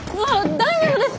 大丈夫ですか？